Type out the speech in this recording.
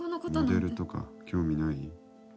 モデルとか興味ない？